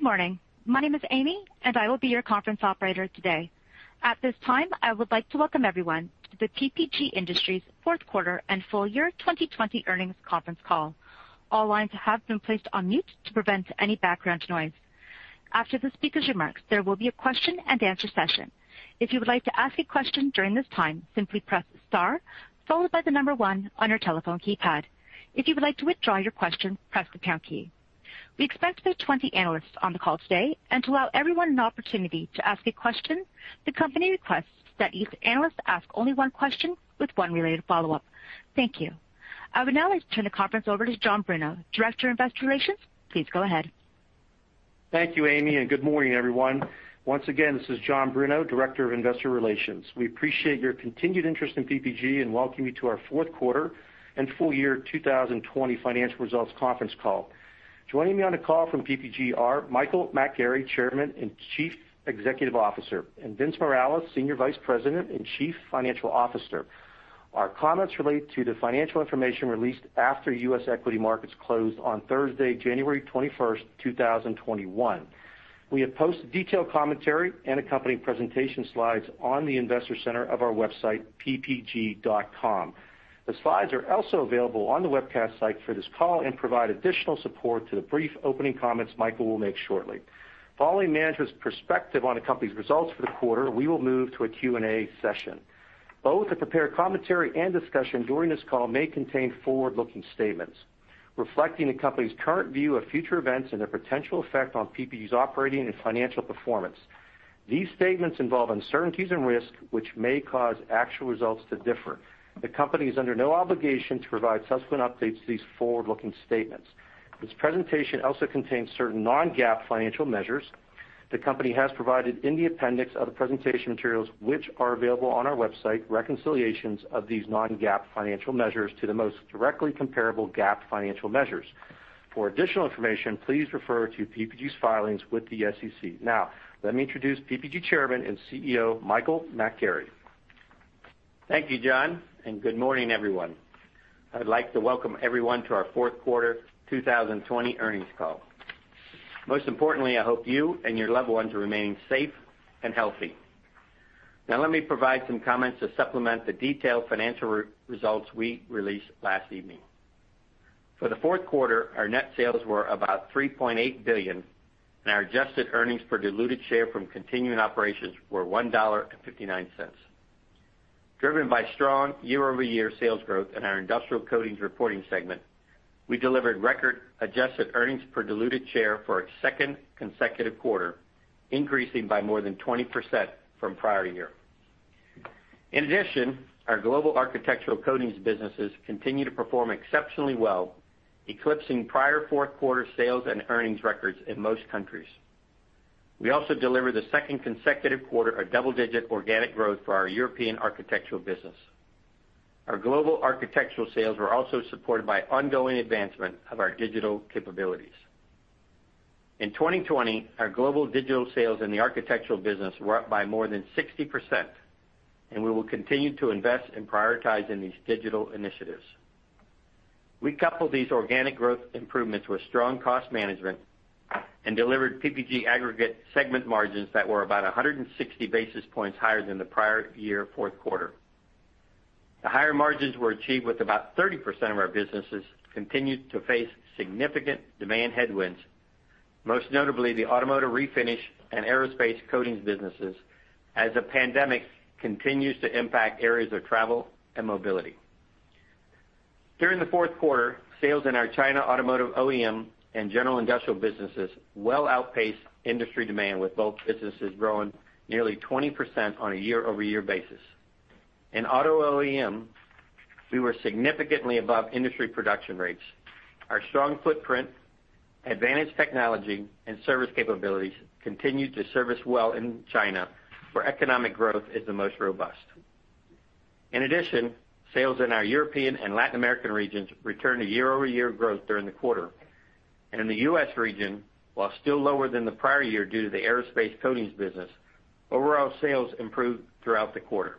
Good morning. My name is Amy, and I will be your conference operator today. At this time, I would like to welcome everyone to the PPG Industries fourth quarter and full year 2020 earnings conference call. All lines have been placed on mute to prevent any background noise. After the speaker's remarks, there will be a question and answer session. If you would like to ask a question during this time, simply press star, followed by the number one on your telephone keypad. If you would like to withdraw your question, press the pound key. We expect there are 20 analysts on the call today. To allow everyone an opportunity to ask a question, the company requests that each analyst ask only one question with one related follow-up. Thank you. I would now like to turn the conference over to John Bruno, Director, Investor Relations. Please go ahead. Thank you, Amy. Good morning, everyone. Once again, this is John Bruno, Director of Investor Relations. We appreciate your continued interest in PPG and welcome you to our fourth quarter and full year 2020 financial results conference call. Joining me on the call from PPG are Michael McGarry, Chairman and Chief Executive Officer, and Vince Morales, Senior Vice President and Chief Financial Officer. Our comments relate to the financial information released after U.S. equity markets closed on Thursday, January 21st, 2021. We have posted detailed commentary and accompanying presentation slides on the investor center of our website, ppg.com. The slides are also available on the webcast site for this call and provide additional support to the brief opening comments Michael will make shortly. Following management's perspective on the company's results for the quarter, we will move to a Q&A session. Both the prepared commentary and discussion during this call may contain forward-looking statements reflecting the company's current view of future events and their potential effect on PPG's operating and financial performance. These statements involve uncertainties and risks, which may cause actual results to differ. The company is under no obligation to provide subsequent updates to these forward-looking statements. This presentation also contains certain non-GAAP financial measures. The company has provided, in the appendix of the presentation materials, which are available on our website, reconciliations of these non-GAAP financial measures to the most directly comparable GAAP financial measures. For additional information, please refer to PPG's filings with the SEC. Now, let me introduce PPG Chairman and CEO, Michael McGarry. Thank you, John, and good morning, everyone. I'd like to welcome everyone to our fourth quarter 2020 earnings call. Most importantly, I hope you and your loved ones are remaining safe and healthy. Now, let me provide some comments to supplement the detailed financial results we released last evening. For the fourth quarter, our net sales were about $3.8 billion, and our adjusted earnings per diluted share from continuing operations were $1.59. Driven by strong year-over-year sales growth in our Industrial Coatings reporting segment, we delivered record adjusted earnings per diluted share for a second consecutive quarter, increasing by more than 20% from prior year. In addition, our global architectural coatings businesses continue to perform exceptionally well, eclipsing prior fourth quarter sales and earnings records in most countries. We also delivered the second consecutive quarter of double-digit organic growth for our European architectural business. Our global architectural sales were also supported by ongoing advancement of our digital capabilities. In 2020, our global digital sales in the architectural business were up by more than 60%. We will continue to invest in prioritizing these digital initiatives. We coupled these organic growth improvements with strong cost management and delivered PPG aggregate segment margins that were about 160 basis points higher than the prior year fourth quarter. The higher margins were achieved with about 30% of our businesses continued to face significant demand headwinds, most notably the automotive refinish and aerospace coatings businesses, as the pandemic continues to impact areas of travel and mobility. During the fourth quarter, sales in our China automotive OEM and general industrial businesses well outpaced industry demand, with both businesses growing nearly 20% on a year-over-year basis. In auto OEM, we were significantly above industry production rates. Our strong footprint, advanced technology, and service capabilities continued to service well in China, where economic growth is the most robust. In addition, sales in our European and Latin American regions returned to year-over-year growth during the quarter. In the U.S. region, while still lower than the prior year due to the aerospace coatings business, overall sales improved throughout the quarter.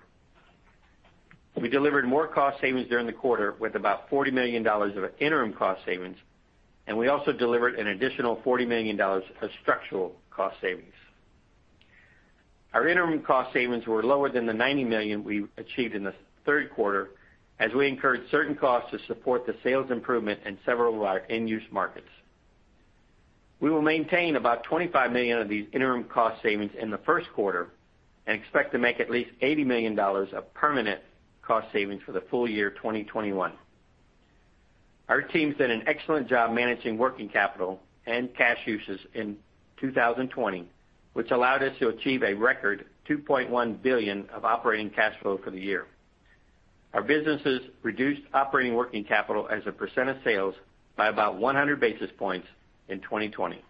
We delivered more cost savings during the quarter with about $40 million of interim cost savings, and we also delivered an additional $40 million of structural cost savings. Our interim cost savings were lower than the $90 million we achieved in the third quarter, as we incurred certain costs to support the sales improvement in several of our end-use markets. We will maintain about $25 million of these interim cost savings in the first quarter and expect to make at least $80 million of permanent cost savings for the full year 2021. Our team's done an excellent job managing working capital and cash uses in 2020, which allowed us to achieve a record $2.1 billion of operating cash flow for the year. Our businesses reduced operating working capital as a % of sales by about 100 basis points in 2020.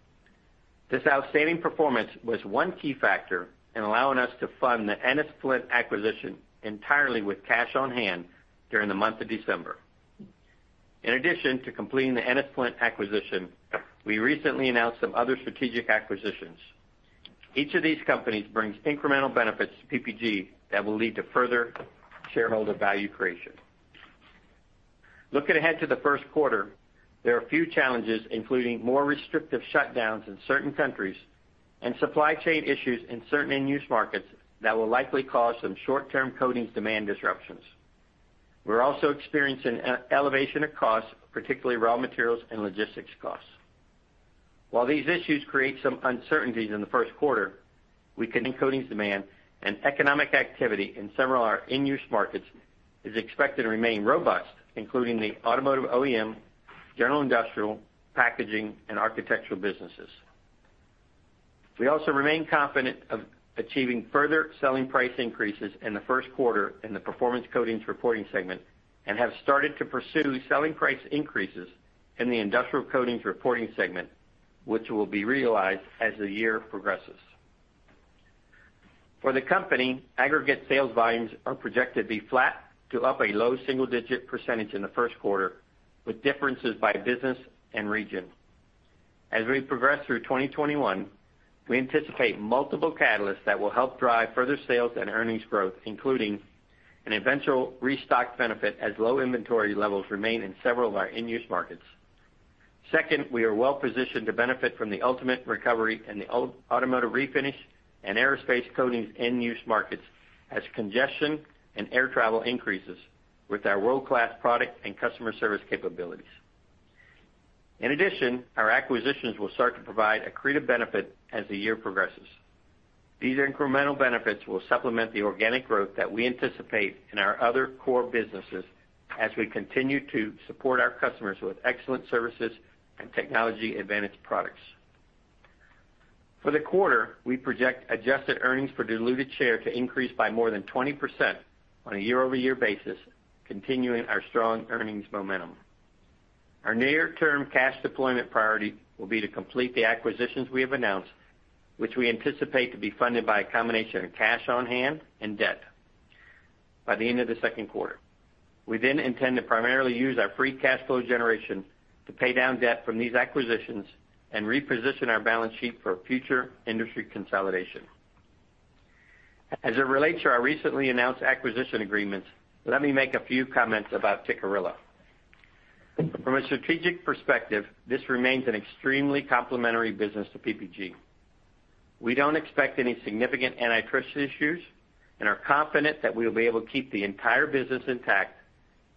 This outstanding performance was one key factor in allowing us to fund the Ennis-Flint acquisition entirely with cash on hand during the month of December. In addition to completing the Ennis-Flint acquisition, we recently announced some other strategic acquisitions. Each of these companies brings incremental benefits to PPG that will lead to further shareholder value creation. Looking ahead to the first quarter, there are a few challenges, including more restrictive shutdowns in certain countries and supply chain issues in certain end-use markets that will likely cause some short-term coatings demand disruptions. We're also experiencing an elevation of costs, particularly raw materials and logistics costs. While these issues create some uncertainties in the first quarter, we continue coatings demand and economic activity in several of our end-use markets is expected to remain robust, including the automotive OEM, general industrial, packaging, and architectural businesses. We also remain confident of achieving further selling price increases in the first quarter in the Performance Coatings reporting segment and have started to pursue selling price increases in the Industrial Coatings reporting segment, which will be realized as the year progresses. For the company, aggregate sales volumes are projected to be flat to up a low single-digit percentage in the first quarter, with differences by business and region. As we progress through 2021, we anticipate multiple catalysts that will help drive further sales and earnings growth, including an eventual restock benefit as low inventory levels remain in several of our end-use markets. Second, we are well positioned to benefit from the ultimate recovery in the automotive refinish and aerospace coatings end-use markets, as congestion and air travel increases with our world-class product and customer service capabilities. In addition, our acquisitions will start to provide accretive benefit as the year progresses. These incremental benefits will supplement the organic growth that we anticipate in our other core businesses as we continue to support our customers with excellent services and technology advantage products. For the quarter, we project adjusted earnings per diluted share to increase by more than 20% on a year-over-year basis, continuing our strong earnings momentum. Our near-term cash deployment priority will be to complete the acquisitions we have announced, which we anticipate to be funded by a combination of cash on hand and debt by the end of the second quarter. We intend to primarily use our free cash flow generation to pay down debt from these acquisitions and reposition our balance sheet for future industry consolidation. It relates to our recently announced acquisition agreements, let me make a few comments about Tikkurila. From a strategic perspective, this remains an extremely complementary business to PPG. We don't expect any significant antitrust issues and are confident that we will be able to keep the entire business intact,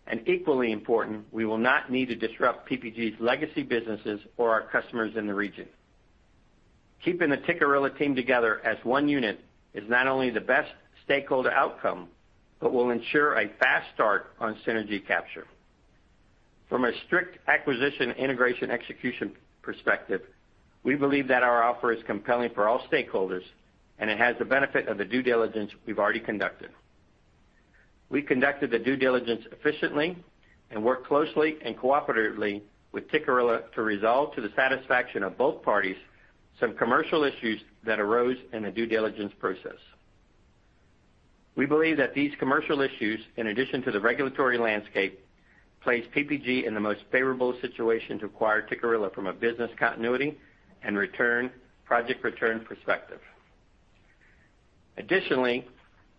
and equally important, we will not need to disrupt PPG's legacy businesses or our customers in the region. Keeping the Tikkurila team together as one unit is not only the best stakeholder outcome but will ensure a fast start on synergy capture. From a strict acquisition integration execution perspective, we believe that our offer is compelling for all stakeholders, and it has the benefit of the due diligence we've already conducted. We conducted the due diligence efficiently and worked closely and cooperatively with Tikkurila to resolve to the satisfaction of both parties some commercial issues that arose in the due diligence process. We believe that these commercial issues, in addition to the regulatory landscape, place PPG in the most favorable situation to acquire Tikkurila from a business continuity and project return perspective. Additionally,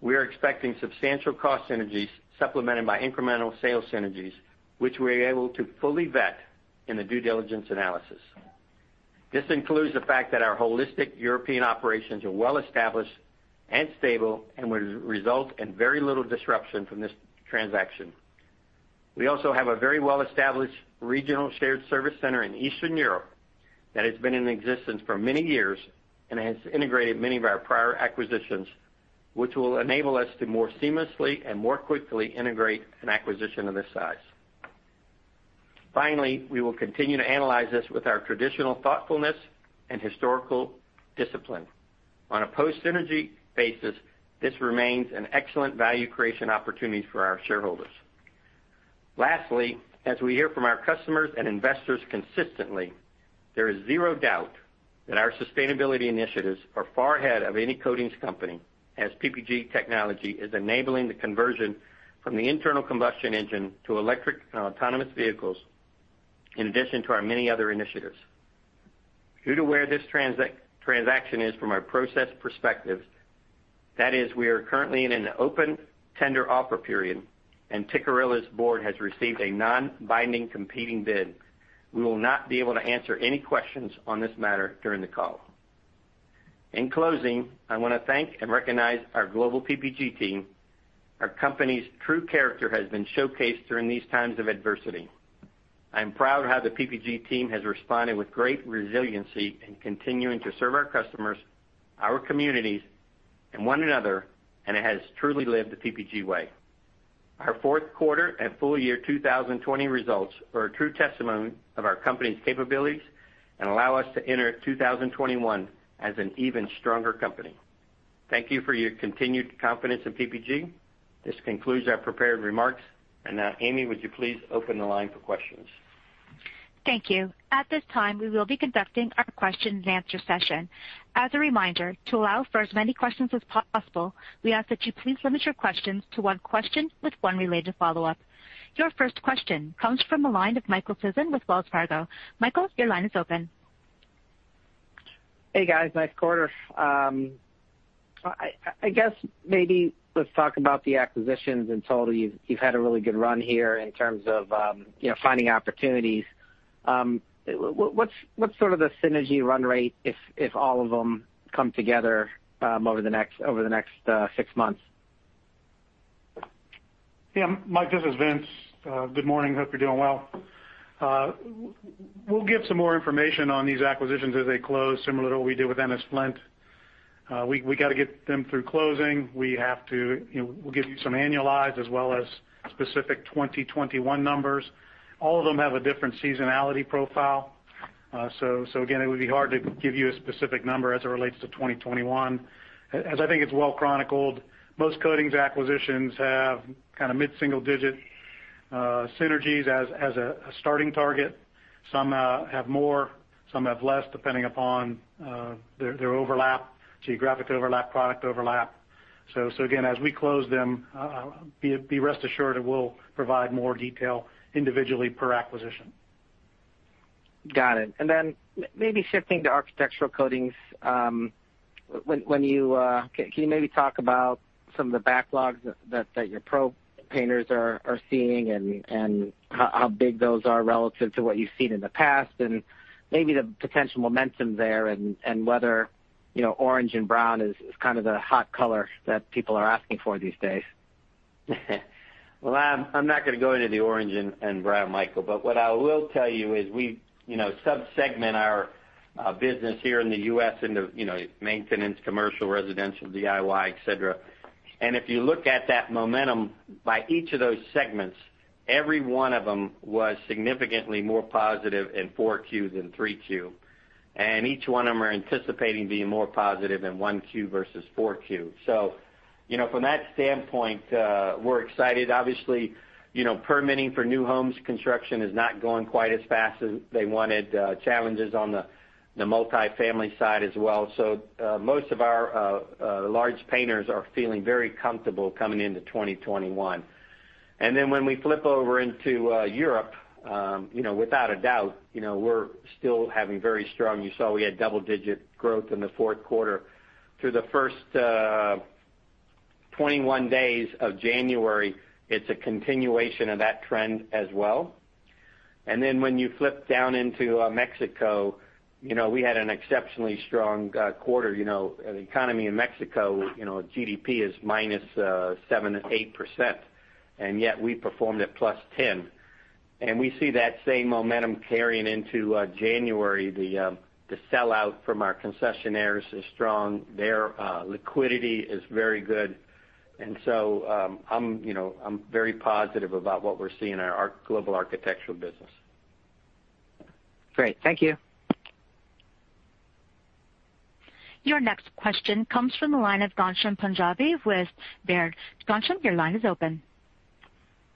we are expecting substantial cost synergies supplemented by incremental sales synergies, which we are able to fully vet in the due diligence analysis. This includes the fact that our holistic European operations are well established and stable and will result in very little disruption from this transaction. We also have a very well-established regional shared service center in Eastern Europe that has been in existence for many years and has integrated many of our prior acquisitions, which will enable us to more seamlessly and more quickly integrate an acquisition of this size. Finally, we will continue to analyze this with our traditional thoughtfulness and historical discipline. On a post-synergy basis, this remains an excellent value creation opportunity for our shareholders. Lastly, as we hear from our customers and investors consistently, there is zero doubt that our sustainability initiatives are far ahead of any coatings company, as PPG technology is enabling the conversion from the internal combustion engine to electric and autonomous vehicles, in addition to our many other initiatives. Due to where this transaction is from a process perspective, that is, we are currently in an open tender offer period, and Tikkurila's board has received a non-binding competing bid, we will not be able to answer any questions on this matter during the call. In closing, I want to thank and recognize our global PPG team. Our company's true character has been showcased during these times of adversity. I am proud of how the PPG team has responded with great resiliency in continuing to serve our customers, our communities, and one another, and it has truly lived the PPG way. Our fourth quarter and full year 2020 results are a true testament of our company's capabilities and allow us to enter 2021 as an even stronger company. Thank you for your continued confidence in PPG. This concludes our prepared remarks. Now, Amy, would you please open the line for questions? Thank you. At this time, we will be conducting our question and answer session. As a reminder, to allow for as many questions as possible, we ask that you please limit your questions to one question with one related follow-up. Your first question comes from the line of Michael Sison with Wells Fargo. Michael, your line is open. Hey guys, nice quarter. I guess maybe let's talk about the acquisitions in total. You've had a really good run here in terms of finding opportunities. What's sort of the synergy run rate if all of them come together over the next six months? Yeah, Mike, this is Vince. Good morning. Hope you're doing well. We'll give some more information on these acquisitions as they close, similar to what we did with Ennis-Flint. We got to get them through closing. We'll give you some annualized as well as specific 2021 numbers. All of them have a different seasonality profile. Again, it would be hard to give you a specific number as it relates to 2021. As I think it's well chronicled, most coatings acquisitions have kind of mid single digit synergies as a starting target. Some have more, some have less, depending upon their overlap, geographic overlap, product overlap. Again, as we close them, be rest assured we'll provide more detail individually per acquisition. Got it. Maybe shifting to architectural coatings. Can you maybe talk about some of the backlogs that your pro painters are seeing, and how big those are relative to what you've seen in the past, and maybe the potential momentum there, and whether orange and brown is kind of the hot color that people are asking for these days? Well, I'm not going to go into the orange and brown, Michael, but what I will tell you is we sub-segment our business here in the U.S. into maintenance, commercial, residential, DIY, et cetera. If you look at that momentum by each of those segments, every one of them was significantly more positive in 4Q than 3Q, and each one of them are anticipating being more positive in 1Q versus 4Q. From that standpoint, we're excited. Obviously, permitting for new homes construction is not going quite as fast as they wanted. Challenges on the multi-family side as well. Most of our large painters are feeling very comfortable coming into 2021. When we flip over into Europe, You saw we had double-digit growth in the fourth quarter. Through the first 21 days of January, it's a continuation of that trend as well. When you flip down into Mexico, we had an exceptionally strong quarter. The economy in Mexico, GDP is -7% to -8%, we performed at +10%. We see that same momentum carrying into January. The sellout from our concessionaires is strong. Their liquidity is very good. I'm very positive about what we're seeing in our global architectural business. Great. Thank you. Your next question comes from the line of Ghansham Panjabi with Baird. Ghansham, your line is open.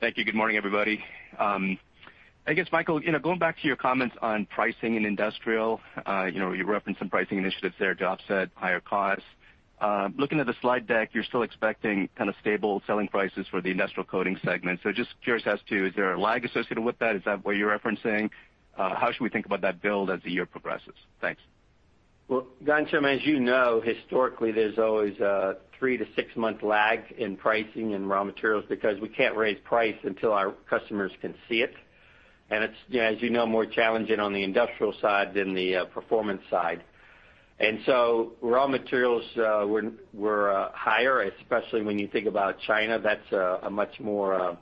Thank you. Good morning, everybody. I guess, Michael, going back to your comments on pricing in industrial. You referenced some pricing initiatives there to offset higher costs. Looking at the slide deck, you're still expecting kind of stable selling prices for the industrial coating segment. Just curious as to, is there a lag associated with that? Is that what you're referencing? How should we think about that build as the year progresses? Thanks. Well, Ghansham, as you know, historically, there's always a three to six month lag in pricing in raw materials because we can't raise price until our customers can see it. It's, as you know, more challenging on the industrial side than the performance side. Raw materials were higher, especially when you think about China. That's a much more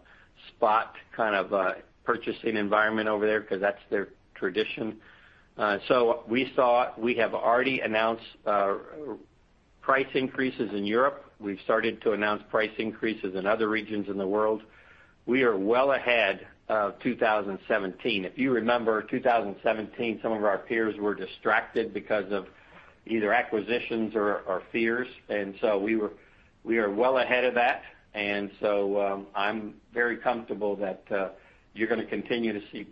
spot kind of purchasing environment over there, because that's their tradition. We have already announced price increases in Europe. We've started to announce price increases in other regions in the world. We are well ahead of 2017. If you remember, 2017, some of our peers were distracted because of either acquisitions or fears, we are well ahead of that. I'm very comfortable that you're going to continue to see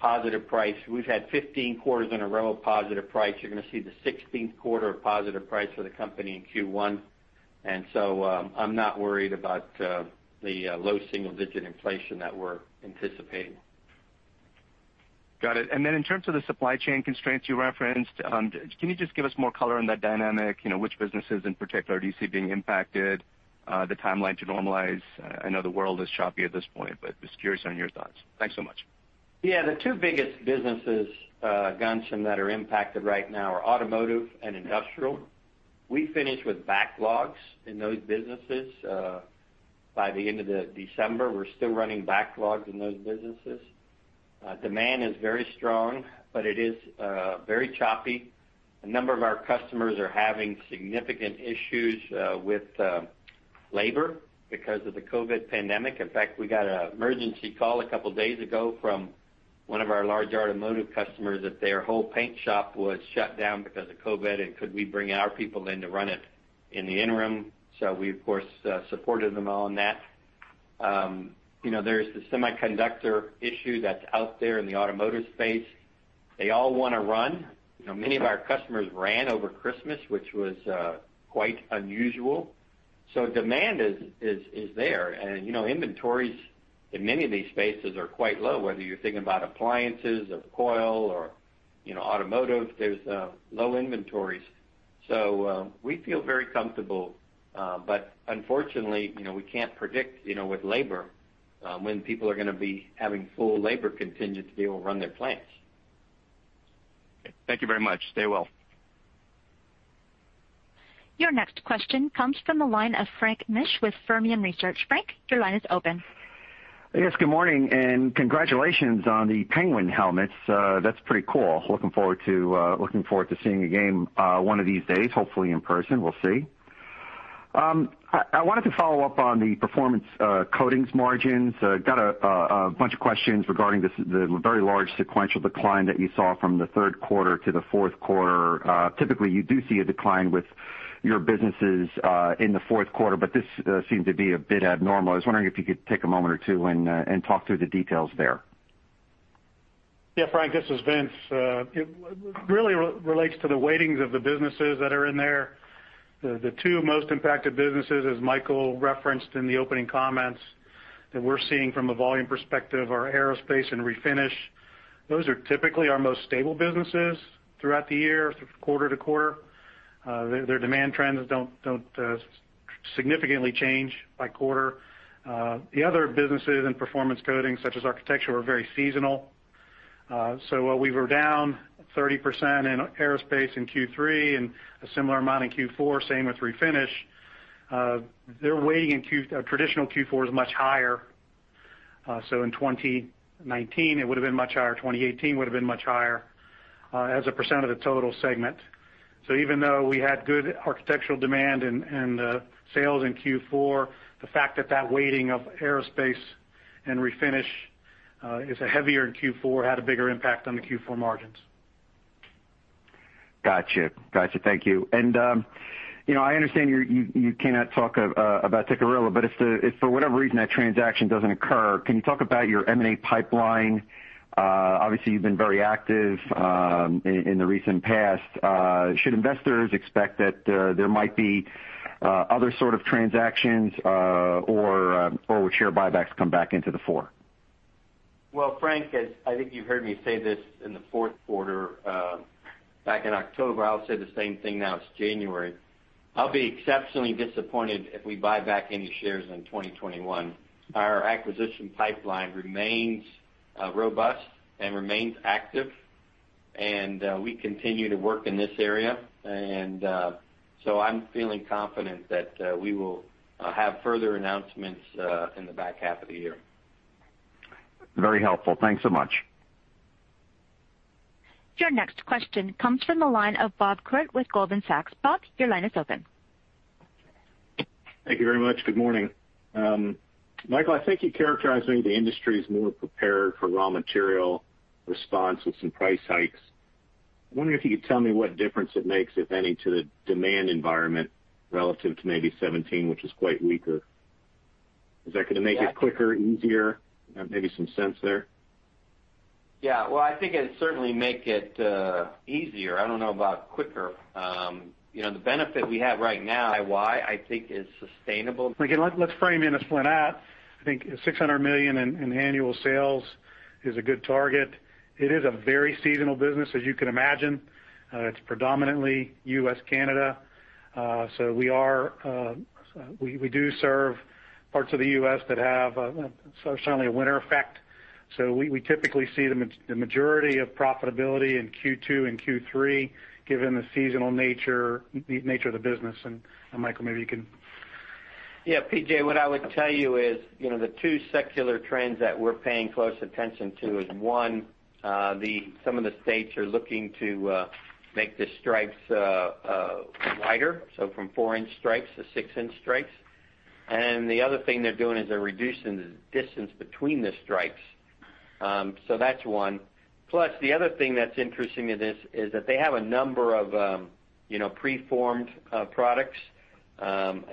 positive price. We've had 15 quarters in a row of positive price. You're going to see the 16th quarter of positive price for the company in Q1. I'm not worried about the low single digit inflation that we're anticipating. Got it. In terms of the supply chain constraints you referenced, can you just give us more color on that dynamic? Which businesses in particular do you see being impacted? The timeline to normalize? I know the world is choppy at this point, just curious on your thoughts. Thanks so much. Yeah, the two biggest businesses, Ghansham, that are impacted right now are automotive and industrial. We finished with backlogs in those businesses by the end of December. We're still running backlogs in those businesses. Demand is very strong, it is very choppy. A number of our customers are having significant issues with labor because of the COVID pandemic. In fact, we got an emergency call a couple days ago from one of our large automotive customers that their whole paint shop was shut down because of COVID, could we bring our people in to run it in the interim? We, of course, supported them on that. There's the semiconductor issue that's out there in the automotive space. They all want to run. Many of our customers ran over Christmas, which was quite unusual. Demand is there. Inventories in many of these spaces are quite low, whether you're thinking about appliances or coil or automotive, there's low inventories. We feel very comfortable. Unfortunately, we can't predict with labor when people are going to be having full labor contingent to be able to run their plants. Okay. Thank you very much. Stay well. Your next question comes from the line of Frank Mitsch with Fermium Research. Frank, your line is open. Yes. Good morning, and congratulations on the Penguins helmets. That's pretty cool. Looking forward to seeing a game one of these days, hopefully in person. We'll see. I wanted to follow up on the Performance Coatings margins. Got a bunch of questions regarding the very large sequential decline that you saw from the third quarter to the fourth quarter. Typically, you do see a decline with your businesses in the fourth quarter, but this seemed to be a bit abnormal. I was wondering if you could take a moment or two and talk through the details there. Yeah, Frank, this is Vince. It really relates to the weightings of the businesses that are in there. The two most impacted businesses, as Michael referenced in the opening comments, that we're seeing from a volume perspective are aerospace and refinish. Those are typically our most stable businesses throughout the year, quarter to quarter. Their demand trends don't significantly change by quarter. The other businesses in Performance Coatings, such as architectural, are very seasonal. While we were down 30% in aerospace in Q3 and a similar amount in Q4, same with refinish. Their weighting in traditional Q4 is much higher. In 2019, it would've been much higher. 2018 would've been much higher as a percent of the total segment. Even though we had good architectural demand and sales in Q4, the fact that that weighting of aerospace and refinish is heavier in Q4 had a bigger impact on the Q4 margins. Got you. Thank you. I understand you cannot talk about Tikkurila, but if for whatever reason that transaction doesn't occur, can you talk about your M&A pipeline? Obviously, you've been very active in the recent past. Should investors expect that there might be other sort of transactions, or would share buybacks come back into the fore? Well, Frank, as I think you heard me say this in the fourth quarter, back in October, I'll say the same thing now it's January. I'll be exceptionally disappointed if we buy back any shares in 2021. Our acquisition pipeline remains robust and remains active. We continue to work in this area. I'm feeling confident that we will have further announcements in the back half of the year. Very helpful. Thanks so much. Your next question comes from the line of Bob Koort with Goldman Sachs. Bob, your line is open. Thank you very much. Good morning. Michael, I think you characterized maybe the industry as more prepared for raw material response with some price hikes. I'm wondering if you could tell me what difference it makes, if any, to the demand environment relative to maybe 2017, which was quite weaker. Is that going to make it quicker, easier? Maybe some sense there. Yeah. Well, I think it'd certainly make it easier. I don't know about quicker. The benefit we have right now, I think is sustainable. Again, let's frame Ennis-Flint out. I think $600 million in annual sales is a good target. It is a very seasonal business, as you can imagine. It's predominantly U.S., Canada. We do serve parts of the U.S. that have certainly a winter effect. We typically see the majority of profitability in Q2 and Q3, given the seasonal nature of the business. Michael, maybe you can Yeah, PJ, what I would tell you is, the two secular trends that we're paying close attention to is one, some of the states are looking to make the stripes wider, so from four-inch stripes to six-inch stripes. The other thing they're doing is they're reducing the distance between the stripes. That's one. The other thing that's interesting in this is that they have a number of pre-formed products, and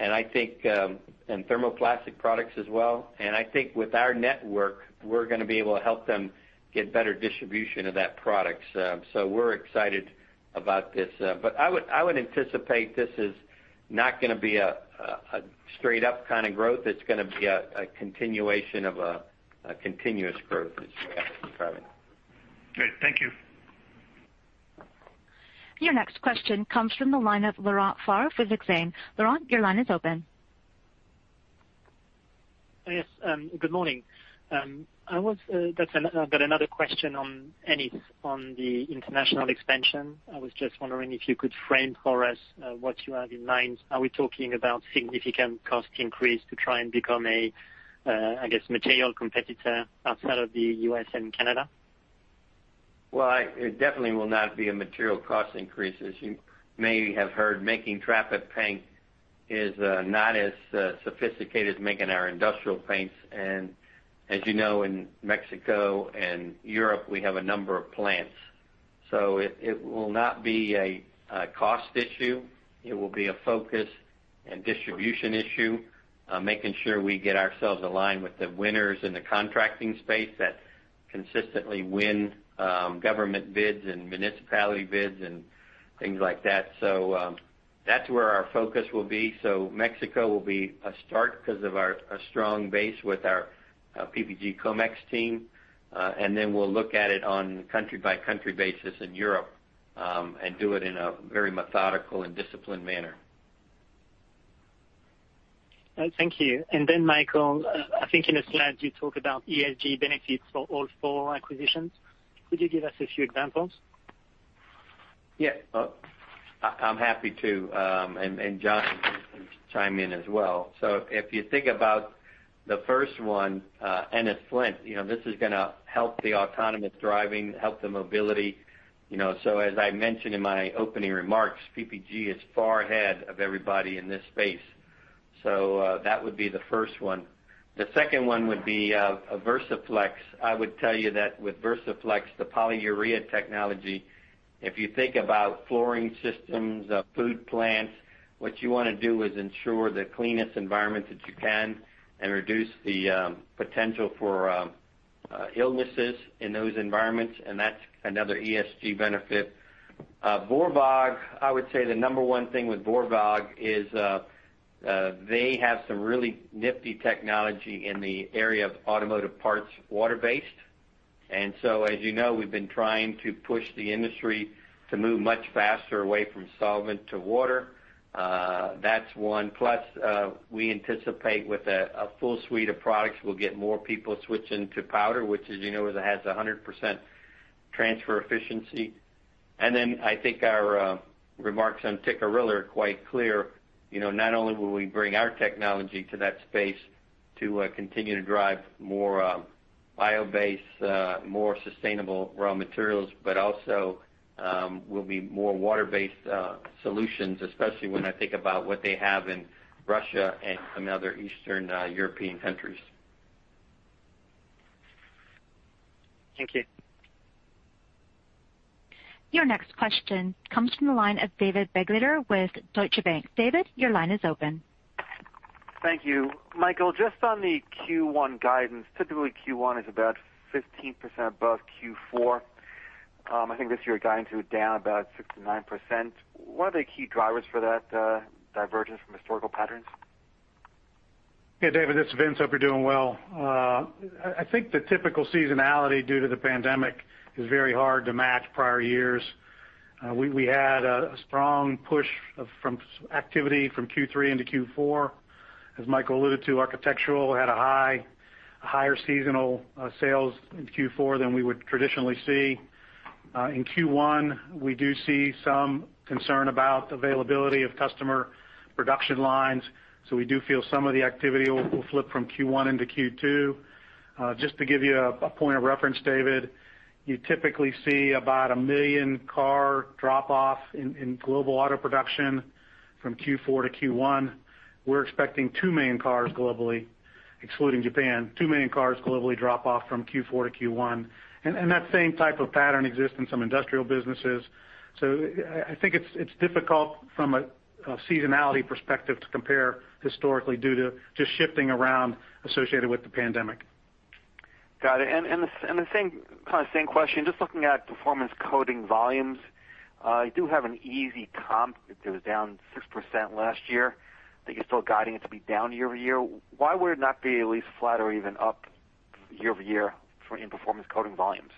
thermoplastic products as well. I think with our network, we're gonna be able to help them get better distribution of that product. We're excited about this. I would anticipate this is not gonna be a straight-up kind of growth. It's gonna be a continuation of a continuous growth as we have in the past. Great. Thank you. Your next question comes from the line of Laurent Favre with Exane. Laurent, your line is open. Yes. Good morning. I've got another question on the international expansion. I was just wondering if you could frame for us what you have in mind. Are we talking about significant cost increase to try and become a, I guess, material competitor outside of the U.S. and Canada? Well, it definitely will not be a material cost increase. As you may have heard, making traffic paint is not as sophisticated as making our industrial paints. As you know, in Mexico and Europe, we have a number of plants. It will not be a cost issue. It will be a focus and distribution issue. Making sure we get ourselves aligned with the winners in the contracting space that consistently win government bids and municipality bids and things like that. That's where our focus will be. Mexico will be a start because of our strong base with our PPG Comex team. We'll look at it on country by country basis in Europe, and do it in a very methodical and disciplined manner. Thank you. Michael, I think in the slides you talk about ESG benefits for all four acquisitions. Could you give us a few examples? Yeah. I'm happy to, and John can chime in as well. If you think about the first one, Ennis-Flint, this is going to help the autonomous driving, help the mobility. As I mentioned in my opening remarks, PPG is far ahead of everybody in this space. That would be the first one. The second one would be VersaFlex. I would tell you that with VersaFlex, the polyurea technology, if you think about flooring systems, food plants, what you want to do is ensure the cleanest environment that you can and reduce the potential for illnesses in those environments. That's another ESG benefit. Wörwag, I would say the number one thing with Wörwag is, they have some really nifty technology in the area of automotive parts, water-based. As you know, we've been trying to push the industry to move much faster away from solvent to water. That's one. Plus, we anticipate with a full suite of products, we'll get more people switching to powder, which as you know, has 100% transfer efficiency. I think our remarks on Tikkurila are quite clear. Not only will we bring our technology to that space to continue to drive more bio-based, more sustainable raw materials, but also will be more water-based solutions, especially when I think about what they have in Russia and some other Eastern European countries. Thank you. Your next question comes from the line of David Begleiter with Deutsche Bank. David, your line is open. Thank you. Michael, just on the Q1 guidance, typically Q1 is about 15% above Q4. I think this year you're guiding to down about 6%-9%. What are the key drivers for that divergence from historical patterns? David, this is Vince. Hope you're doing well. I think the typical seasonality due to the pandemic is very hard to match prior years. We had a strong push of activity from Q3 into Q4. As Michael alluded to, Architectural had a higher seasonal sales in Q4 than we would traditionally see. In Q1, we do see some concern about availability of customer production lines. We do feel some of the activity will flip from Q1 into Q2. Just to give you a point of reference, David, you typically see about 1 million car drop-off in global auto production from Q4 to Q1. We're expecting 2 million cars globally, excluding Japan, 2 million cars globally drop-off from Q4 to Q1. That same type of pattern exists in some industrial businesses. I think it's difficult from a seasonality perspective to compare historically due to just shifting around associated with the pandemic. Got it. The kind of same question, just looking at Performance Coatings volumes. You do have an easy comp. It was down 6% last year, but you're still guiding it to be down year-over-year. Why would it not be at least flat or even up year-over-year in Performance Coatings volumes?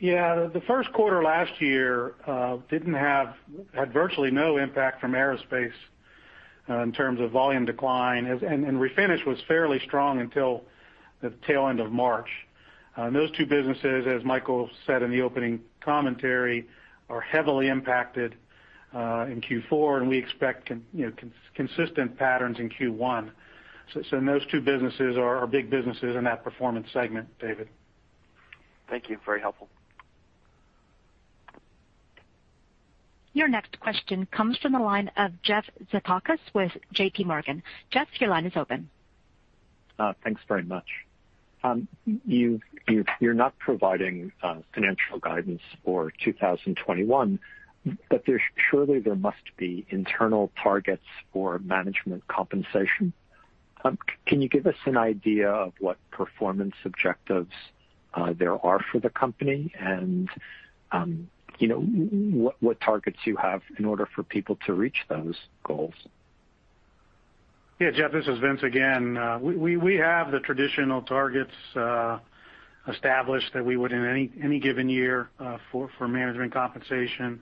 The first quarter last year had virtually no impact from aerospace in terms of volume decline, and Refinish was fairly strong until the tail end of March. Those two businesses, as Michael said in the opening commentary, are heavily impacted in Q4, and we expect consistent patterns in Q1. Those two businesses are our big businesses in that performance segment, David. Thank you. Very helpful. Your next question comes from the line of Jeff Zekauskas with JPMorgan. Jeff, your line is open. Thanks very much. You're not providing financial guidance for 2021, but surely there must be internal targets for management compensation. Can you give us an idea of what performance objectives there are for the company and what targets you have in order for people to reach those goals? Yeah, Jeff, this is Vince again. We have the traditional targets established that we would in any given year for management compensation,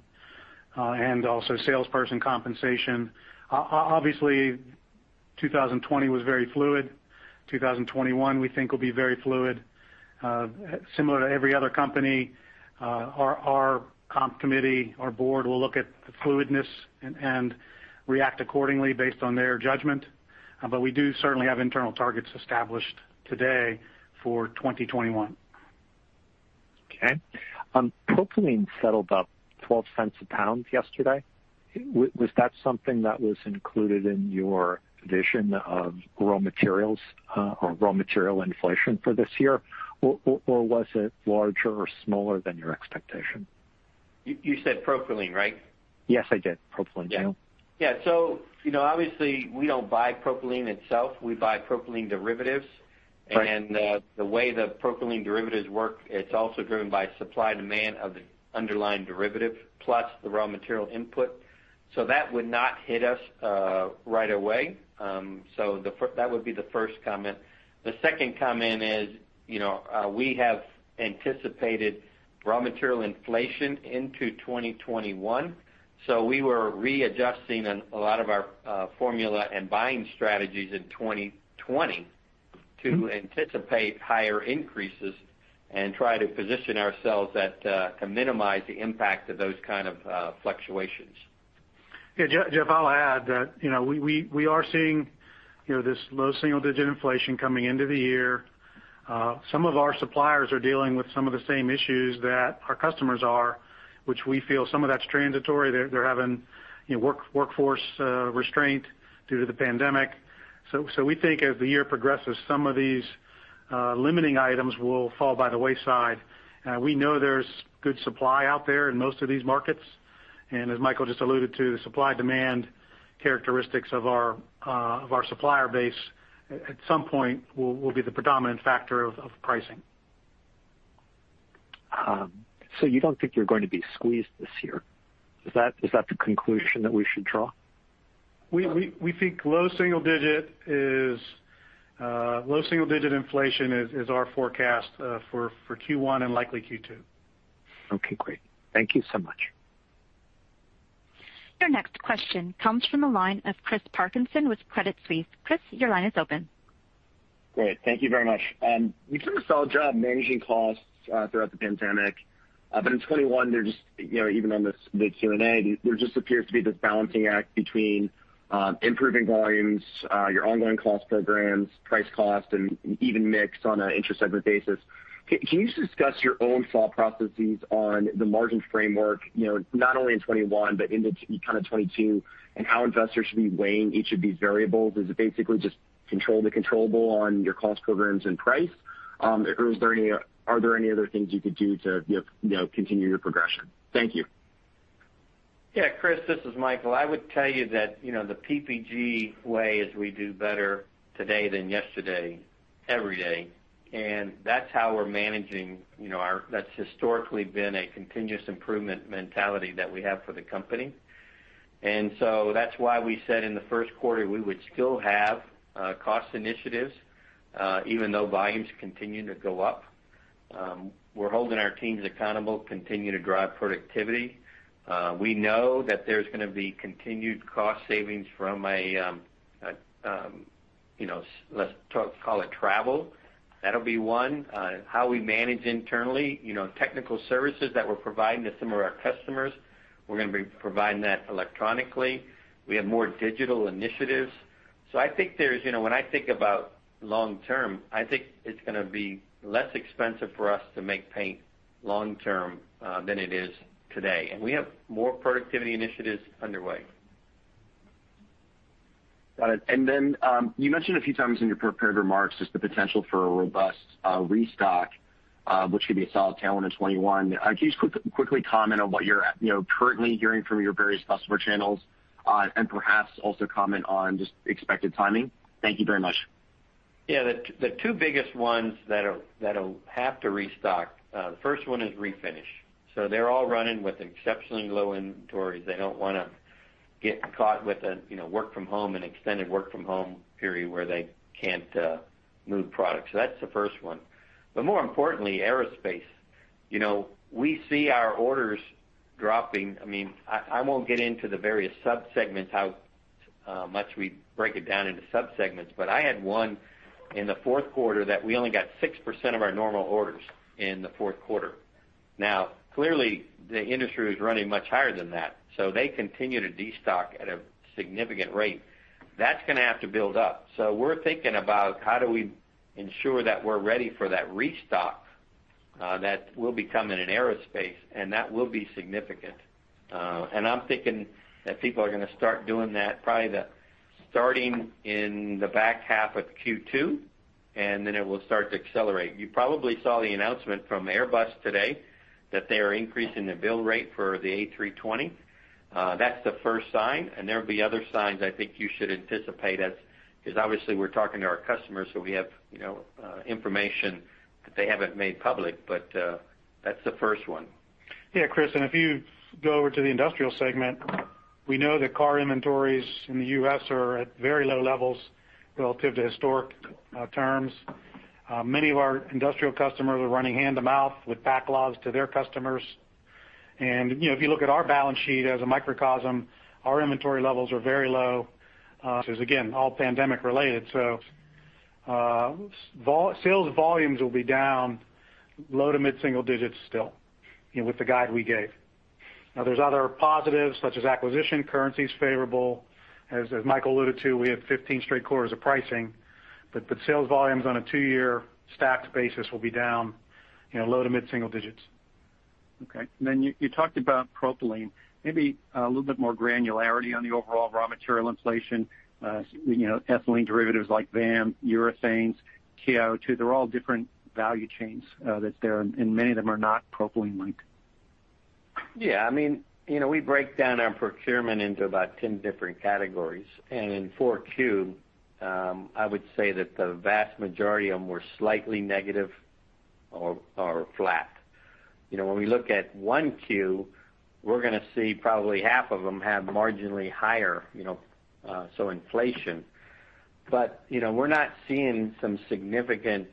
and also salesperson compensation. Obviously, 2020 was very fluid. 2021, we think, will be very fluid. Similar to every other company, our comp committee, our board will look at the fluidness and react accordingly based on their judgment. We do certainly have internal targets established today for 2021. Okay. Toluene settled up $0.12 a pound yesterday. Was that something that was included in your vision of raw materials or raw material inflation for this year? Was it larger or smaller than your expectation? You said propylene, right? Yes, I did. Propylene. Yeah. obviously we don't buy propylene itself. We buy propylene derivatives. Right. The way the propylene derivatives work, it's also driven by supply-demand of the underlying derivative, plus the raw material input. That would not hit us right away. That would be the first comment. The second comment is, we have anticipated raw material inflation into 2021. We were readjusting a lot of our formula and buying strategies in 2020 to anticipate higher increases and try to position ourselves to minimize the impact of those kind of fluctuations. Jeff, I'll add that we are seeing this low single-digit inflation coming into the year. Some of our suppliers are dealing with some of the same issues that our customers are, which we feel some of that's transitory. They're having workforce restraint due to the pandemic. We think as the year progresses, some of these limiting items will fall by the wayside. We know there's good supply out there in most of these markets, and as Michael just alluded to, the supply-demand characteristics of our supplier base, at some point, will be the predominant factor of pricing. You don't think you're going to be squeezed this year? Is that the conclusion that we should draw? We think low single-digit inflation is our forecast for Q1 and likely Q2. Okay, great. Thank you so much. Your next question comes from the line of Chris Parkinson with Credit Suisse. Chris, your line is open. Great. Thank you very much. You've done a solid job managing costs throughout the pandemic. In 2021, even on the Q&A, there just appears to be this balancing act between improving volumes, your ongoing cost programs, price cost, and even mix on an intersegment basis. Can you just discuss your own thought processes on the margin framework, not only in 2021, but into kind of 2022, and how investors should be weighing each of these variables? Is it basically just control the controllable on your cost programs and price? Are there any other things you could do to continue your progression? Thank you. Yeah, Chris, this is Michael. I would tell you that the PPG way is we do better today than yesterday, every day, and that's how we're managing. That's historically been a continuous improvement mentality that we have for the company. That's why we said in the first quarter, we would still have cost initiatives even though volumes continue to go up. We're holding our teams accountable, continue to drive productivity. We know that there's going to be continued cost savings from, let's call it travel. That'll be one. How we manage internally, technical services that we're providing to some of our customers, we're going to be providing that electronically. We have more digital initiatives. When I think about long term, I think it's going to be less expensive for us to make paint long term than it is today. We have more productivity initiatives underway. Got it. You mentioned a few times in your prepared remarks just the potential for a robust restock, which could be a solid tailwind in 2021. Can you just quickly comment on what you're currently hearing from your various customer channels and perhaps also comment on just expected timing? Thank you very much. Yeah. The two biggest ones that'll have to restock, the first one is Refinish. They're all running with exceptionally low inventories. They don't want to get caught with an extended work from home period where they can't move product. That's the first one. More importantly, Aerospace. We see our orders dropping. I won't get into the various subsegments, how much we break it down into subsegments. I had one in the fourth quarter that we only got 6% of our normal orders in the fourth quarter. Now, clearly, the industry is running much higher than that, so they continue to destock at a significant rate. That's going to have to build up. We're thinking about how do we ensure that we're ready for that restock that will be coming in Aerospace, and that will be significant. I'm thinking that people are going to start doing that probably starting in the back half of Q2, and then it will start to accelerate. You probably saw the announcement from Airbus today that they are increasing the build rate for the A320. That's the first sign, and there'll be other signs I think you should anticipate as obviously we're talking to our customers, so we have information that they haven't made public. That's the first one. Yeah, Chris, if you go over to the Industrial Coatings, we know that car inventories in the U.S. are at very low levels relative to historic terms. Many of our industrial customers are running hand-to-mouth with backlogs to their customers. If you look at our balance sheet as a microcosm, our inventory levels are very low. This is, again, all pandemic related. Sales volumes will be down low to mid single digits still with the guide we gave. Now, there's other positives such as acquisition, currency's favorable. As Michael alluded to, we have 15 straight quarters of pricing. Sales volumes on a 2-year stacked basis will be down low to mid single digits. Okay. You talked about propylene. Maybe a little bit more granularity on the overall raw material inflation. Ethylene derivatives like VAM, urethanes, CO2, they're all different value chains that's there, and many of them are not propylene linked. Yeah. We break down our procurement into about 10 different categories. In 4Q, I would say that the vast majority of them were slightly negative or flat. When we look at 1Q, we're going to see probably half of them have marginally higher, so inflation. We're not seeing some significant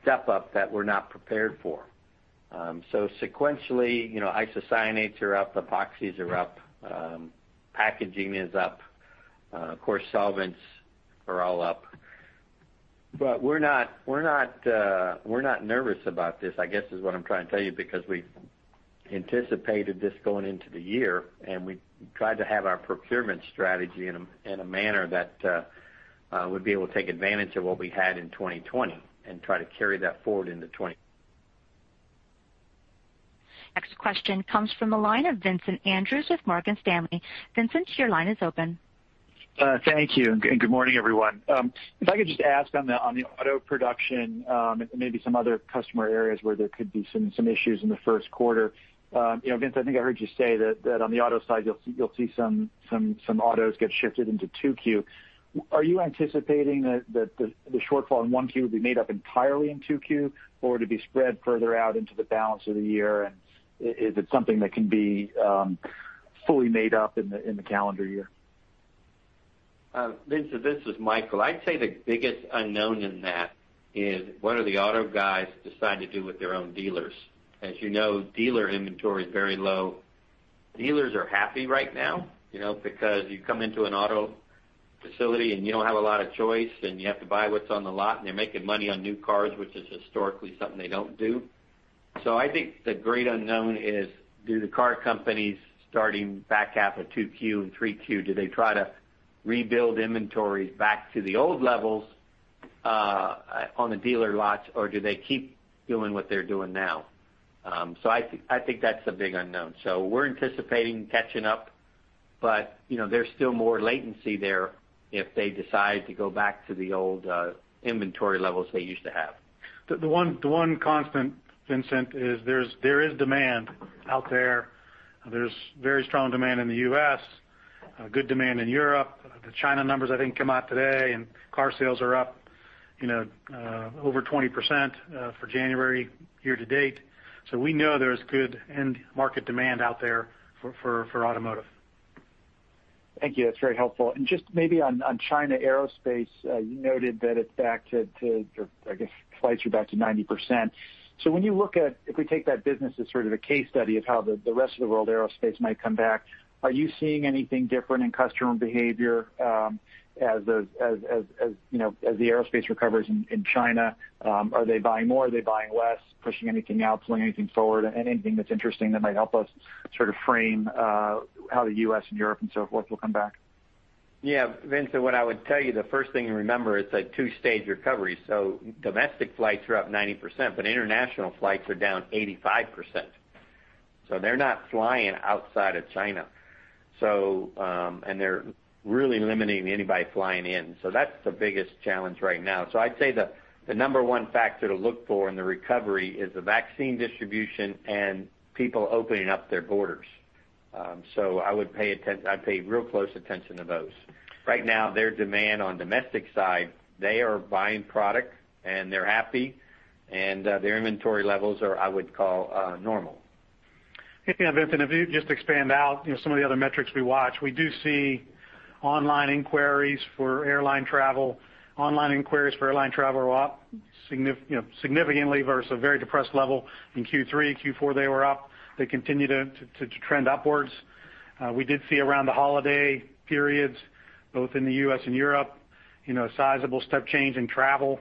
step up that we're not prepared for. Sequentially, isocyanates are up, epoxies are up, packaging is up. Of course, solvents are all up. We're not nervous about this, I guess, is what I'm trying to tell you, because we've anticipated this going into the year, and we tried to have our procurement strategy in a manner that would be able to take advantage of what we had in 2020 and try to carry that forward into 2021. Next question comes from the line of Vincent Andrews with Morgan Stanley. Vincent, your line is open. Thank you, good morning, everyone. If I could just ask on the auto production, maybe some other customer areas where there could be some issues in the first quarter. Vince, I think I heard you say that on the auto side, you'll see some autos get shifted into 2Q. Are you anticipating that the shortfall in 1Q will be made up entirely in 2Q, or to be spread further out into the balance of the year? Is it something that can be fully made up in the calendar year? Vincent, this is Michael. I'd say the biggest unknown in that is what do the auto guys decide to do with their own dealers? As you know, dealer inventory is very low. Dealers are happy right now, because you come into an auto facility, and you don't have a lot of choice, and you have to buy what's on the lot, and they're making money on new cars, which is historically something they don't do. I think the great unknown is, do the car companies starting back half of 2Q and 3Q, do they try to rebuild inventories back to the old levels on the dealer lots, or do they keep doing what they're doing now? I think that's the big unknown. We're anticipating catching up, but there's still more latency there if they decide to go back to the old inventory levels they used to have. The one constant, Vincent, is there is demand out there. There's very strong demand in the U.S., good demand in Europe. The China numbers, I think, come out today, and car sales are up over 20% for January year to date. We know there's good end market demand out there for automotive. Thank you. That's very helpful. Just maybe on China Aerospace, you noted that flights are back to 90%. When you look at, if we take that business as sort of a case study of how the rest of the world aerospace might come back, are you seeing anything different in customer behavior as the aerospace recovers in China? Are they buying more? Are they buying less, pushing anything out, pulling anything forward? Anything that's interesting that might help us sort of frame how the U.S. and Europe and so forth will come back? Yeah. Vincent, what I would tell you, the first thing to remember is a two stage recovery. Domestic flights are up 90%, but international flights are down 85%. They're not flying outside of China. They're really limiting anybody flying in. That's the biggest challenge right now. I'd say the number one factor to look for in the recovery is the vaccine distribution and people opening up their borders. I'd pay real close attention to those. Right now, their demand on domestic side, they are buying product, and they're happy, and their inventory levels are, I would call, normal. Yeah. Vincent, if you just expand out some of the other metrics we watch. We do see online inquiries for airline travel are up significantly versus a very depressed level in Q3. Q4, they were up. They continue to trend upwards. We did see around the holiday periods, both in the U.S. and Europe, a sizable step change in travel.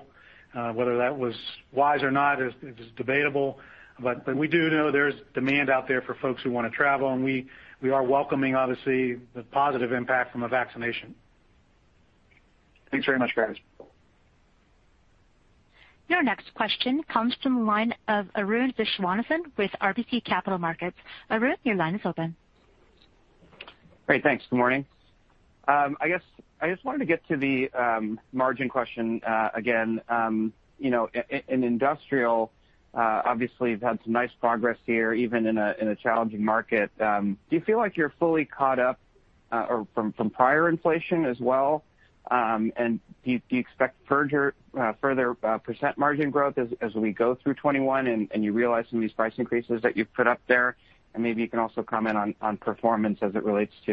Whether that was wise or not is debatable. We do know there's demand out there for folks who want to travel, and we are welcoming, obviously, the positive impact from the vaccination. Thanks very much, guys. Your next question comes from the line of Arun Viswanathan with RBC Capital Markets. Arun, your line is open. Great. Thanks. Good morning. I just wanted to get to the margin question again. In Industrial, obviously, you've had some nice progress here, even in a challenging market. Do you feel like you're fully caught up from prior inflation as well? Do you expect further percent margin growth as we go through 2021, and you realize some of these price increases that you've put up there? Maybe you can also comment on Performance as it relates to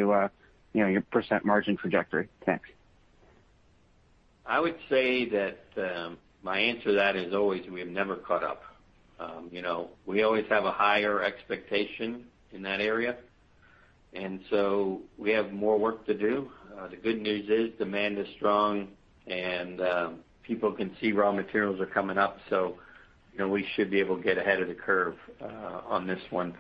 your % margin trajectory. Thanks. I would say that my answer to that is always we have never caught up. We always have a higher expectation in that area. We have more work to do. The good news is demand is strong, and people can see raw materials are coming up, so we should be able to get ahead of the curve on this one.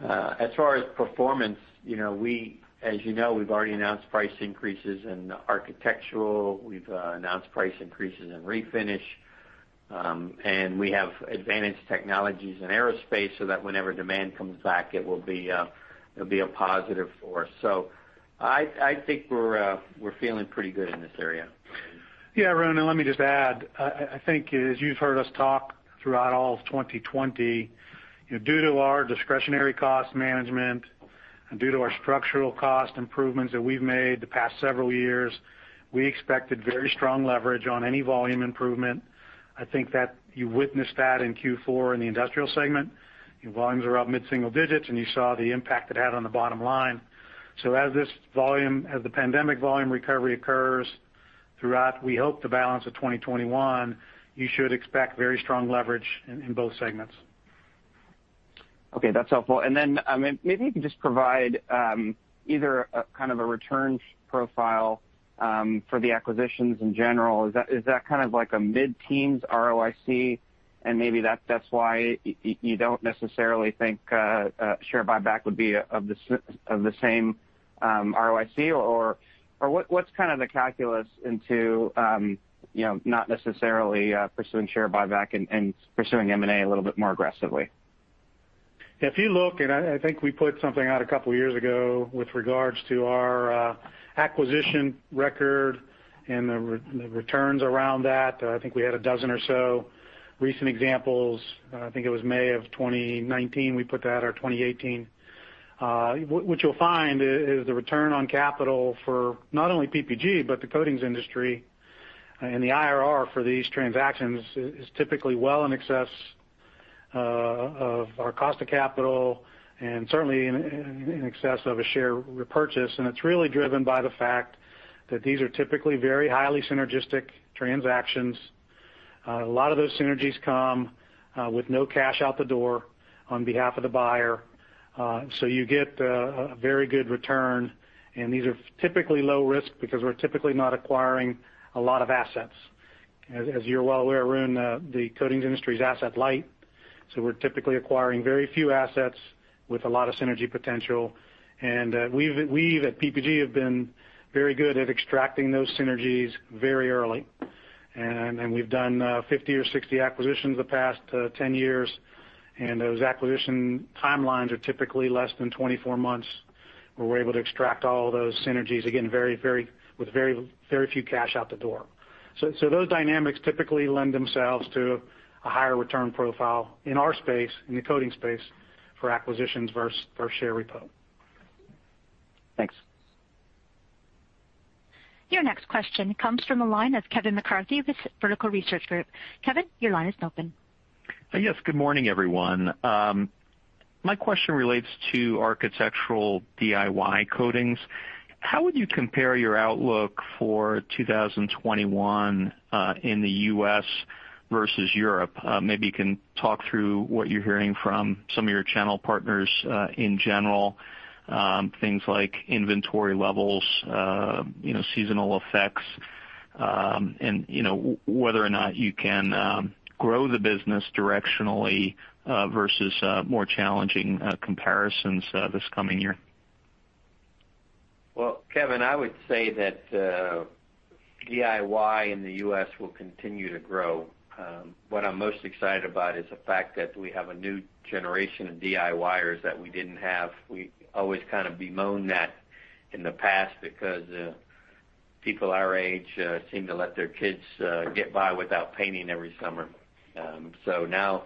As far as performance, as you know, we've already announced price increases in architectural, we've announced price increases in refinish, and we have advantage technologies in aerospace so that whenever demand comes back, it'll be a positive force. I think we're feeling pretty good in this area. Arun, let me just add, I think as you've heard us talk throughout all of 2020, due to our discretionary cost management and due to our structural cost improvements that we've made the past several years, we expected very strong leverage on any volume improvement. I think that you witnessed that in Q4 in the industrial segment. Your volumes are up mid-single digits, you saw the impact it had on the bottom line. As the pandemic volume recovery occurs throughout, we hope, the balance of 2021, you should expect very strong leverage in both segments. Okay, that's helpful. Maybe you can just provide either a kind of a return profile for the acquisitions in general. Is that kind of like a mid-teens ROIC, and maybe that's why you don't necessarily think share buyback would be of the same ROIC? What's kind of the calculus into not necessarily pursuing share buyback and pursuing M&A a little bit more aggressively? If you look, and I think we put something out a couple of years ago with regards to our acquisition record and the returns around that. I think we had a dozen or so recent examples. I think it was May of 2019, we put that, or 2018. What you'll find is the return on capital for not only PPG, but the coatings industry, and the IRR for these transactions, is typically well in excess of our cost of capital and certainly in excess of a share repurchase. It's really driven by the fact that these are typically very highly synergistic transactions. A lot of those synergies come with no cash out the door on behalf of the buyer. You get a very good return, and these are typically low risk because we're typically not acquiring a lot of assets. As you're well aware, Arun, the coatings industry is asset light. We're typically acquiring very few assets with a lot of synergy potential. We at PPG have been very good at extracting those synergies very early. We've done 50 or 60 acquisitions the past 10 years, and those acquisition timelines are typically less than 24 months, where we're able to extract all those synergies, again, with very few cash out the door. Those dynamics typically lend themselves to a higher return profile in our space, in the coating space, for acquisitions versus share repo. Thanks. Your next question comes from the line of Kevin McCarthy with Vertical Research Partners. Kevin, your line is open. Good morning, everyone. My question relates to architectural DIY coatings. How would you compare your outlook for 2021 in the U.S. versus Europe? Maybe you can talk through what you're hearing from some of your channel partners, in general, things like inventory levels, seasonal effects, and whether or not you can grow the business directionally versus more challenging comparisons this coming year. Well, Kevin, I would say that DIY in the U.S. will continue to grow. What I'm most excited about is the fact that we have a new generation of DIYers that we didn't have. We always kind of bemoaned that in the past because people our age seem to let their kids get by without painting every summer. Now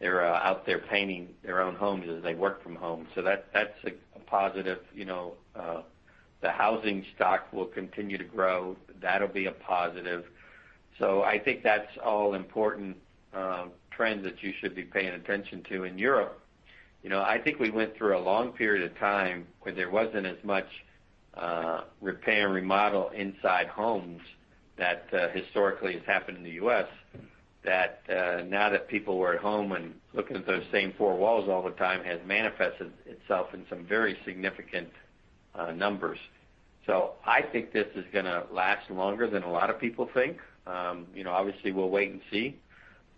they're out there painting their own homes as they work from home. That's a positive. The housing stock will continue to grow. That'll be a positive. I think that's all important trends that you should be paying attention to in Europe. I think we went through a long period of time where there wasn't as much repair and remodel inside homes that historically has happened in the U.S., that now that people were at home and looking at those same four walls all the time has manifested itself in some very significant numbers. I think this is gonna last longer than a lot of people think. Obviously, we'll wait and see,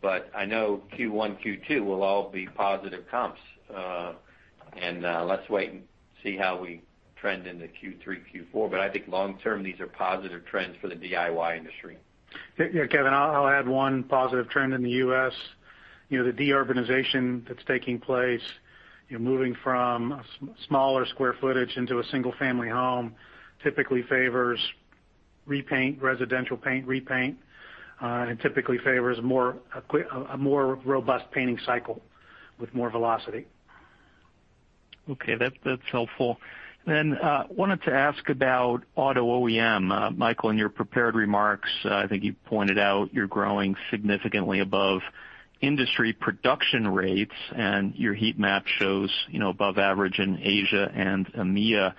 but I know Q1, Q2 will all be positive comps. Let's wait and see how we trend into Q3, Q4. I think long term, these are positive trends for the DIY industry. Yeah, Kevin, I'll add one positive trend in the U.S. The de-urbanization that's taking place, moving from smaller square footage into a single-family home typically favors repaint, residential paint repaint, and typically favors a more robust painting cycle with more velocity. Okay, that's helpful. Wanted to ask about automotive OEM. Michael, in your prepared remarks, I think you pointed out you're growing significantly above industry production rates, and your heat map shows above average in Asia and EMEA.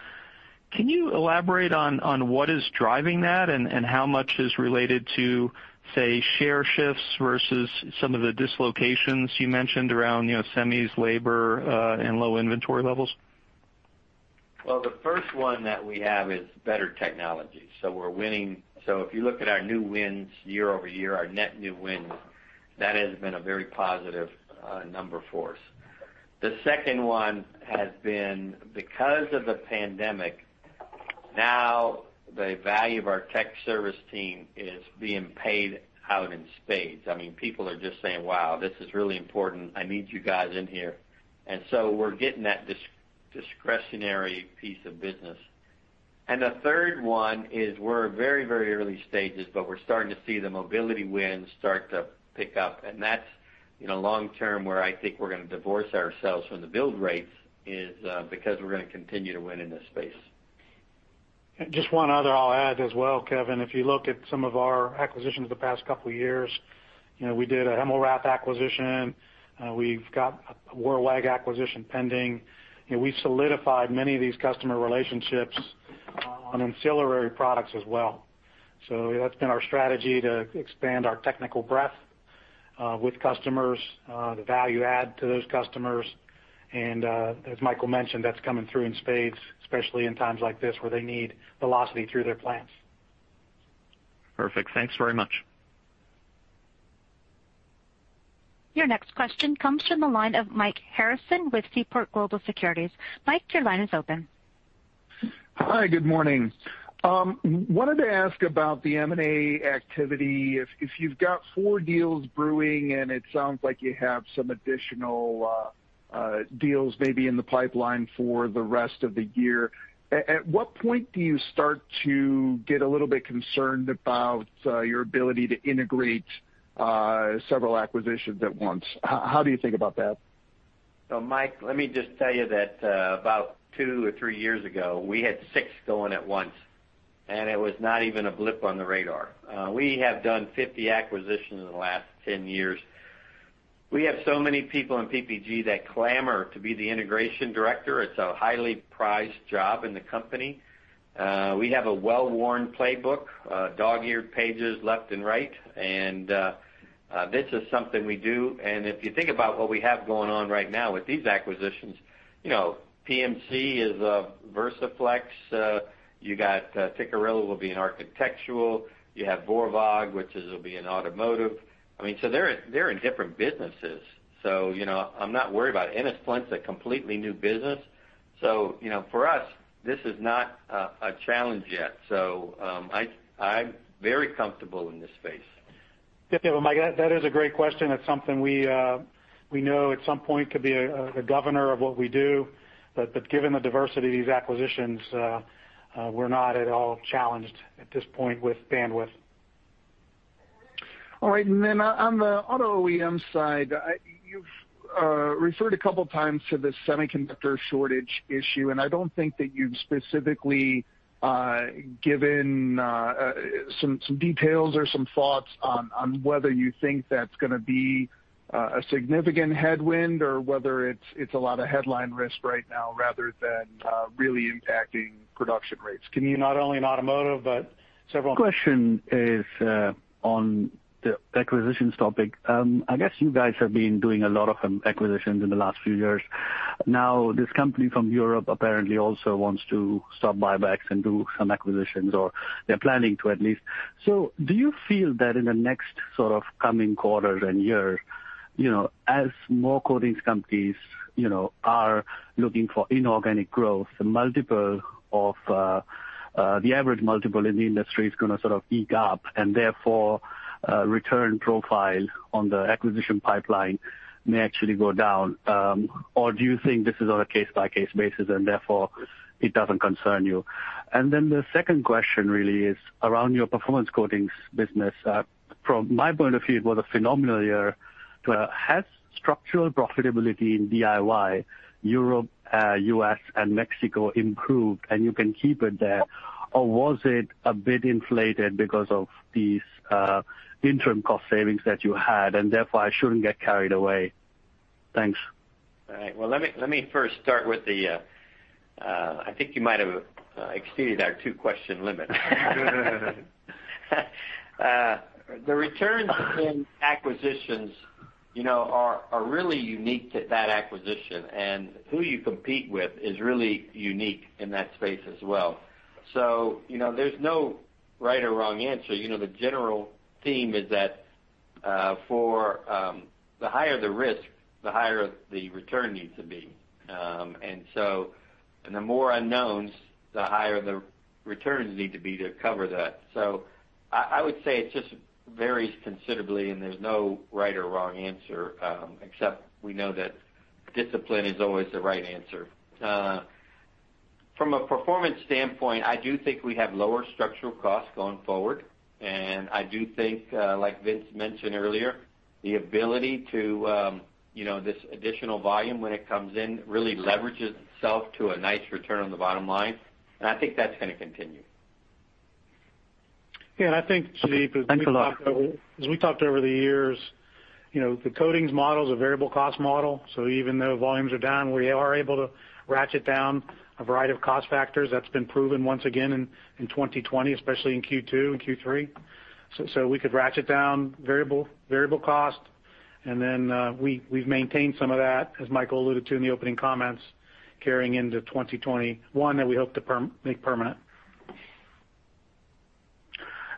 Can you elaborate on what is driving that and how much is related to, say, share shifts versus some of the dislocations you mentioned around semis, labor, and low inventory levels? The first one that we have is better technology. If you look at our new wins year-over-year, our net new wins, that has been a very positive number for us. The second one has been because of the pandemic, now the value of our tech service team is being paid out in spades. I mean, people are just saying, "Wow, this is really important. I need you guys in here." We're getting that Discretionary piece of business. The third one is, we're very early stages, but we're starting to see the mobility win start to pick up, and that's long term, where I think we're going to divorce ourselves from the build rates is because we're going to continue to win in this space. Just one other I'll add as well, Kevin. If you look at some of our acquisitions the past couple of years, we did a Hemmelrath acquisition. We've got a Wörwag acquisition pending. We've solidified many of these customer relationships on ancillary products as well. That's been our strategy to expand our technical breadth, with customers, the value add to those customers. As Michael mentioned, that's coming through in spades, especially in times like this where they need velocity through their plants. Perfect. Thanks very much. Your next question comes from the line of Mike Harrison with Seaport Global Securities. Mike, your line is open. Hi, good morning. Wanted to ask about the M&A activity. If you've got four deals brewing, and it sounds like you have some additional deals maybe in the pipeline for the rest of the year, at what point do you start to get a little bit concerned about your ability to integrate several acquisitions at once? How do you think about that? Mike, let me just tell you that about two or three years ago, we had six going at once, and it was not even a blip on the radar. We have done 50 acquisitions in the last 10 years. We have so many people in PPG that clamor to be the integration director. It's a highly prized job in the company. We have a well-worn playbook, dog-eared pages left and right, and this is something we do, and if you think about what we have going on right now with these acquisitions, PMC is a VersaFlex. You got Tikkurila will be in Architectural. You have Wörwag, which will be in Automotive. I mean, they're in different businesses. I'm not worried about it. Ennis-Flint's a completely new business. For us, this is not a challenge yet. I'm very comfortable in this space. Yeah. Well, Mike, that is a great question. That's something we know at some point could be a governor of what we do. Given the diversity of these acquisitions, we're not at all challenged at this point with bandwidth. All right, on the auto OEM side, you've referred a couple of times to the semiconductor shortage issue. I don't think that you've specifically given some details or some thoughts on whether you think that's going to be a significant headwind or whether it's a lot of headline risk right now rather than really impacting production rates. Can you? Not only in automotive, but several- Question is on the acquisitions topic. I guess you guys have been doing a lot of acquisitions in the last few years. This company from Europe apparently also wants to stop buybacks and do some acquisitions, or they're planning to, at least. Do you feel that in the next sort of coming quarters and years, as more coatings companies are looking for inorganic growth, the average multiple in the industry is gonna sort of eke up, and therefore return profile on the acquisition pipeline may actually go down? Do you think this is on a case-by-case basis and therefore it doesn't concern you? The second question really is around your Performance Coatings business. From my point of view, it was a phenomenal year. Has structural profitability in DIY Europe, U.S., and Mexico improved and you can keep it there, or was it a bit inflated because of these interim cost savings that you had, and therefore I shouldn't get carried away? Thanks. All right. Well, let me first start with, I think you might have exceeded our two-question limit. The returns in acquisitions are really unique to that acquisition, and who you compete with is really unique in that space as well. There's no right or wrong answer. The general theme is that the higher the risk, the higher the return needs to be. The more unknowns, the higher the returns need to be to cover that. I would say it just varies considerably, and there's no right or wrong answer, except we know that discipline is always the right answer. From a performance standpoint, I do think we have lower structural costs going forward, and I do think, like Vince mentioned earlier, the ability to this additional volume when it comes in really leverages itself to a nice return on the bottom line, and I think that's gonna continue. I think, Jeet, as we talked over the years, the coatings model is a variable cost model. Even though volumes are down, we are able to ratchet down a variety of cost factors. That's been proven once again in 2020, especially in Q2 and Q3. We could ratchet down variable cost. We've maintained some of that, as Michael alluded to in the opening comments, carrying into 2021 that we hope to make permanent.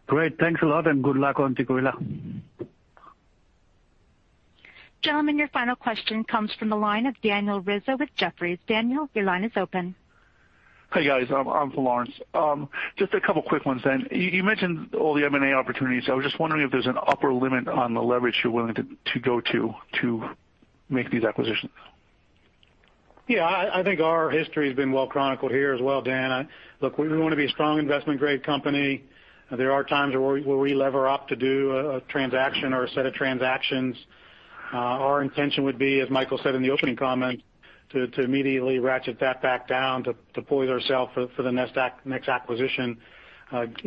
Great. Thanks a lot, and good luck on Tikkurila. Gentlemen, your final question comes from the line of Daniel Rizzo with Jefferies. Daniel, your line is open. Hey, guys. I'm for Laurence. Just a couple of quick ones then. You mentioned all the M&A opportunities. I was just wondering if there's an upper limit on the leverage you're willing to go to make these acquisitions. Yeah, I think our history has been well chronicled here as well, Dan. Look, we want to be a strong investment-grade company. There are times where we lever up to do a transaction or a set of transactions. Our intention would be, as Michael said in the opening comment, to immediately ratchet that back down to poise ourselves for the next acquisition.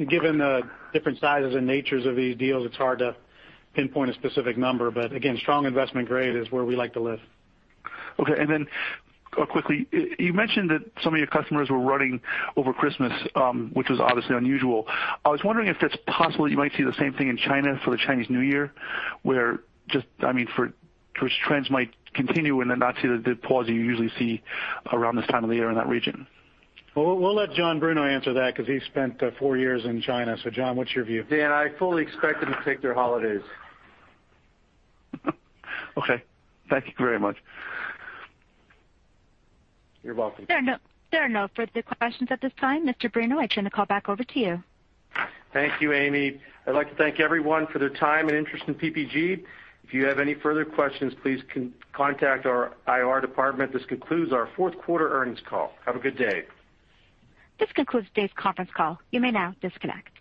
Given the different sizes and natures of these deals, it's hard to pinpoint a specific number, but again, strong investment grade is where we like to live. Quickly, you mentioned that some of your customers were running over Christmas, which was obviously unusual. I was wondering if it's possible you might see the same thing in China for the Chinese New Year, where trends might continue and then not see the pause you usually see around this time of the year in that region. We'll let John Bruno answer that because he spent four years in China. John, what's your view? Dan, I fully expect them to take their holidays. Okay. Thank you very much. You're welcome. There are no further questions at this time. Mr. Bruno, I turn the call back over to you. Thank you, Amy. I'd like to thank everyone for their time and interest in PPG. If you have any further questions, please contact our IR department. This concludes our fourth quarter earnings call. Have a good day. This concludes today's conference call. You may now disconnect.